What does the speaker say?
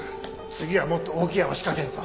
次はもっと大きい山仕掛けるぞ。